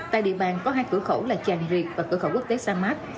tại địa bàn có hai cửa khẩu là tràng riệt